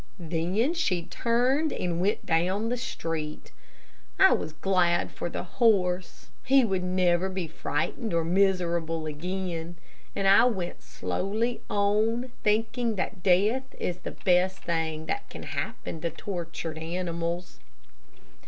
Then she turned and went down the street. I was glad for the horse. He would never be frightened or miserable again, and I went slowly on, thinking that death is the best thing that can happen to tortured animals.